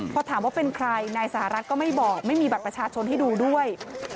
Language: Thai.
พอถามว่าเป็นใครนายสหรัฐก็ไม่บอกไม่มีบัตรประชาชนให้ดูด้วย